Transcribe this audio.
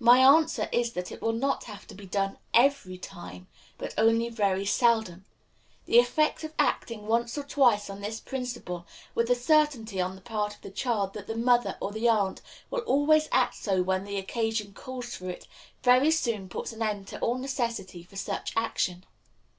My answer is that it will not have to be done every time, but only very seldom. The effect of acting once or twice on this principle, with the certainty on the part of the child that the mother or the aunt will always act so when the occasion calls for it, very soon puts an end to all necessity for such action.